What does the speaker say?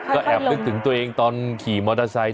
ก็แอบนึกถึงตัวเองตอนขี่มอเตอร์ไซค์